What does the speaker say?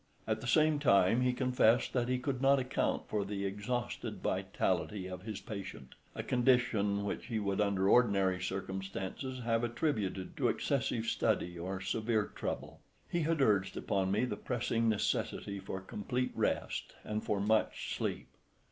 At the same time he confessed that he could not account for the exhausted vitality of his patient, a condition which he would under ordinary circumstances have attributed to excessive study or severe trouble. He had urged upon me the pressing necessity for complete rest, and for much sleep.